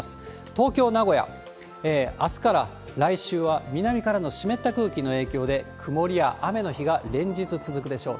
東京、名古屋、あすから来週は、南からの湿った空気の影響で、曇りや雨の日が連日続くでしょう。